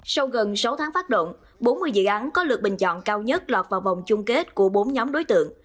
sau gần sáu tháng phát động bốn mươi dự án có lượt bình chọn cao nhất lọt vào vòng chung kết của bốn nhóm đối tượng